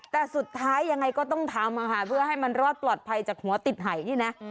แต่สุดท้ายยังไงก็ต้องทำเพื่อให้มันรอดปลอดภัยจากหัวติดไห่นี่นะ